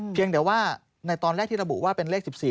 เพียงแต่ว่าในตอนแรกที่ระบุว่าเป็นเลข๑๔